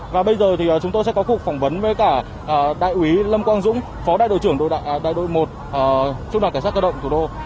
và bây giờ thì chúng tôi sẽ có cuộc phỏng vấn với cả đại úy lâm quang dũng phó đại đội trưởng đội đại đội một trung đoàn cảnh sát cơ động thủ đô